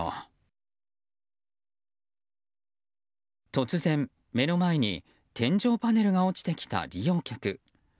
突然、前の前に天井パネルが落ちてきた利用客。